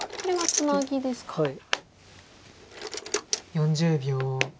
４０秒。